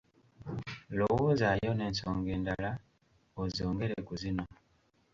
Lowoozaayo n'ensonga endala ozongere ku zino.